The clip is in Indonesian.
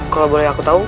kalau boleh aku tahu